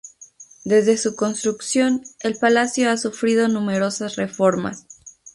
Desde su construcción, el palacio ha sufrido numerosas reformas.